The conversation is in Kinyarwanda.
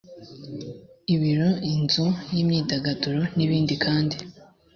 ibiro inzu y imyidagaduro n ibindi kandi